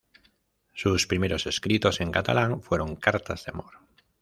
Sus primeros escritos en catalán fueron cartas de amor.